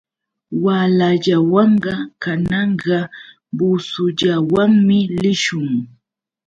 Walallawan kananqa busullawanmi lishun.